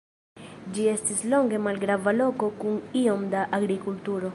Ĝi estis longe malgrava loko kun iom da agrikulturo.